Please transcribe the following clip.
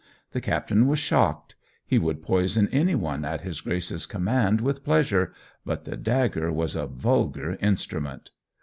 The captain was shocked. He would poison any one at his Grace's command with pleasure, but the dagger was a vulgar instrument.